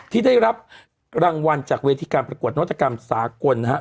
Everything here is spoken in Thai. ที่ได้รับรางวัลจากเวทีการประกวดนวัตกรรมสากลนะครับ